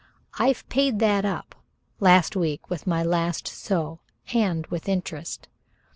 I've paid that up last week with my last sou and with interest.